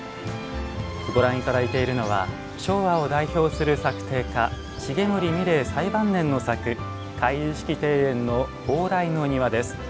ご覧いただいているのは昭和を代表する作庭家・重森三玲最晩年の作、回遊式庭園の蓬莱の庭です。